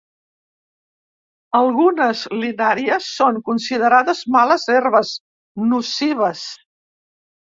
Algunes "Linaria" són considerades males herbes nocives.